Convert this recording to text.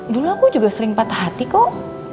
dulu aku juga sering patah hati kok